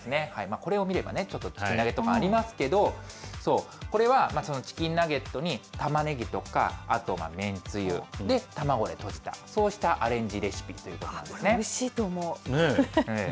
これを見ればちょっと、チキンナゲットがありますけど、そう、これはチキンナゲットにたまねぎとか、あとめんつゆ、卵でとじた、そうしたアレンジレシピというここれ、おいしいと思う。